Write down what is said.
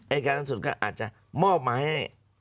อายการสูงสุดก็อาจจะมอบมาให้